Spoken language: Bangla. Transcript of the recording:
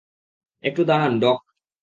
একটু দাঁড়ান, ডক।